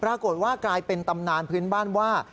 ปรากฏว่ากลายเป็นตำนานพื้นบ้านว่า